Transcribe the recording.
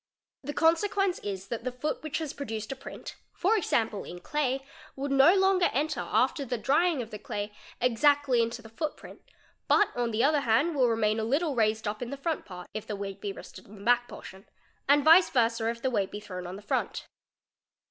The consequence is that the foot which has | produced a print, for example in clay, would no longer enter, after the drying of the clay, exactly into the footprint, but on the other hand will remain a little raised up in the front part, if the weight be rested on the back portion; and vice versd if the weight be thrown on the front.